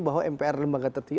bahwa mpr lembaga tertiwa